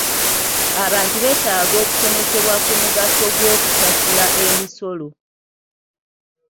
Abantu beetaaga okusomesebwa ku mugaso gw'okusasula emisolo.